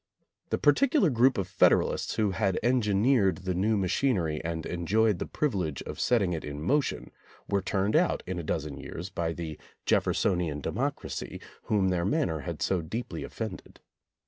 The partic ular group of Federalists who had engineered the new machinery and enjoyed the privilege of set ting it in motion, were turned out in a dozen years by the "Jeffersonian democracy" whom their man ner had so deeply offended.